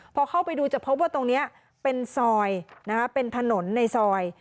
พอเข้าไปดูจะพบว่าตรงนี้เป็นซอยเป็นถนนในซอย